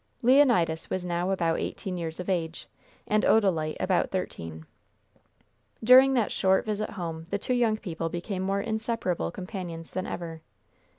Leonidas was now about eighteen years of age, and Odalite about thirteen. During that short visit home the two young people became more inseparable companions than ever.